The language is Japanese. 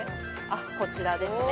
こちらですね。